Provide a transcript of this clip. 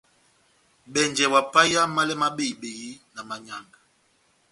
Bɛnjɛ ohapahiya málɛ má behi-behi na manyanga.